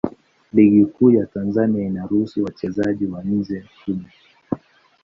Ligi Kuu ya Tanzania inaruhusu wachezaji wa nje kumi.